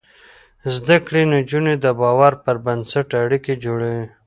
زده کړې نجونې د باور پر بنسټ اړيکې جوړوي.